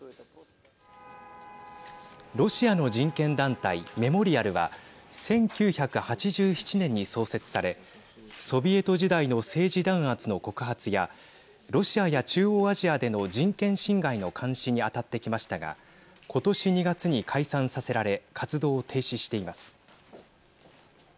ロシアの人権団体メモリアルは１９８７年に創設されソビエト時代の政治弾圧の告発やロシアや中央アジアでの人権侵害の監視に当たってきましたが今年２月に解散させられ活動を停止しています。